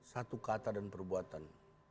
satu kata dan perbuatan